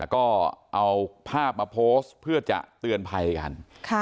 ก็เอาภาพมาโพสต์เพื่อจะเตือนภัยกัน